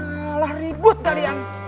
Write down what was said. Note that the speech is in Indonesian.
malah ribut kalian